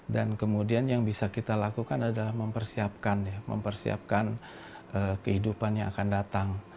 dan kemudian yang bisa kita lakukan adalah mempersiapkan mempersiapkan kehidupan yang akan datang